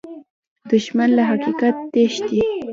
دښمن له حقیقت تښتي